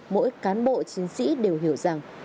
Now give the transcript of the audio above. mỗi cán bộ chiến sĩ đều hiểu rằng